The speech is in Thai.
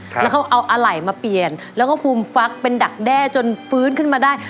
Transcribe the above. แล้วเขาเอาอะไหล่มาเปลี่ยนแล้วก็ฟูมฟักเป็นดักแด้จนฟื้นขึ้นมาได้